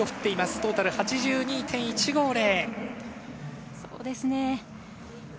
トータル８２．１５０。